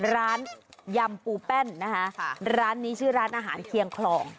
ยำปูแป้นนะคะร้านนี้ชื่อร้านอาหารเคียงคลอง